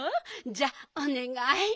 じゃあおねがい。